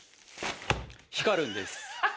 光るんです。